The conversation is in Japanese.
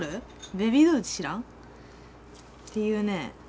ベビードールって知らん？っていうね